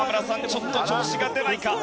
ちょっと調子が出ないか？